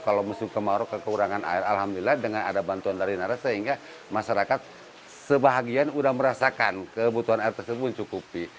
kalau musim kemarau kekurangan air alhamdulillah dengan ada bantuan dari naras sehingga masyarakat sebahagian sudah merasakan kebutuhan air tersebut mencukupi